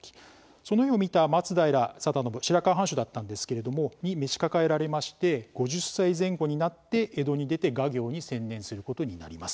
その絵を見た松平定信白河藩主だったんですけれどもに召し抱えられまして５０歳前後になって江戸に出て画業に専念することになります。